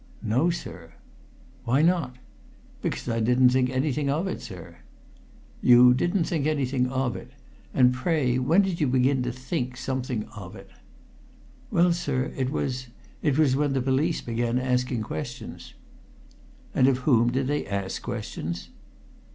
"No, sir!" "Why not?" "Because I didn't think anything of it, sir." "You didn't think anything of it? And pray when did you begin to think something of it?" "Well, sir, it was it was when the police began asking questions." "And of whom did they ask questions?"